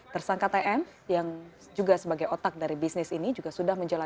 tersangka tm yang juga sebagai otak dari bisnis ini juga sudah menjelaskan